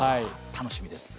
楽しみです。